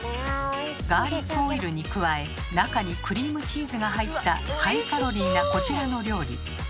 ガーリックオイルに加え中にクリームチーズが入ったハイカロリーなこちらの料理。